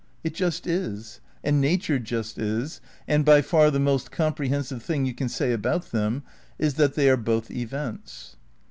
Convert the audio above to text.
It just is, and nature just is, and by far the most com prehensive thing you can say about them is that they are both events.